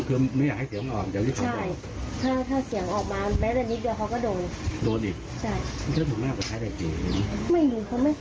โดนอีกไม่ค่อยเห็นเลย